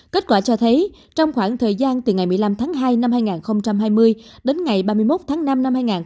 kết quả cho thấy trong khoảng thời gian từ ngày một mươi năm tháng hai năm hai nghìn hai mươi đến ngày ba mươi một tháng năm năm hai nghìn hai mươi